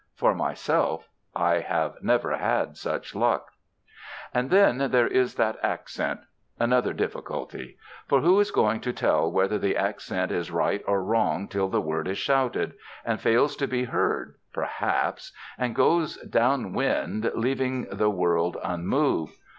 For myself, I have never had such luck. And then there is that accent. Another difficulty. For who is going to tell whether the accent is right or wrong till the word is shouted, and fails to be heard, perhaps, and goes down wind, leaving the world unmoved?